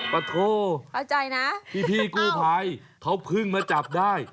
ประโธ่พูดได้เลยนะพี่กู้ไภ่เขาเพิ่งมาจับได้